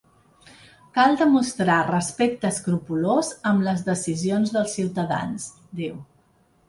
Cal demostrar respecte escrupolós amb les decisions dels ciutadans, diu.